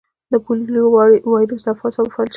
د پولیو وایرس د اعصابو فلج کوي.